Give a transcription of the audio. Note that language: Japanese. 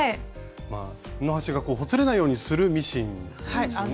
布端がほつれないようにするミシンなんですよね。